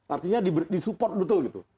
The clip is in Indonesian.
artinya disupport betul